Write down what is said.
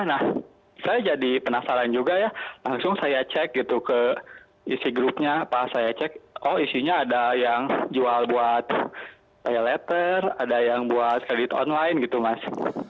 nah saya jadi penasaran juga ya langsung saya cek gitu ke isi grupnya pas saya cek oh isinya ada yang jual buat pay letter ada yang buat kredit online gitu mas